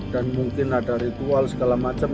dan mungkin ada ritual segala macam